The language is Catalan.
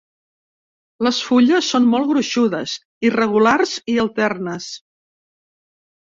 Les fulles són molt gruixudes, irregulars i alternes.